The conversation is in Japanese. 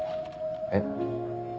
えっ。